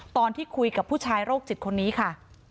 ตอนที่คุยกับผู้ชายโรคจิตคนนี้ค่ะ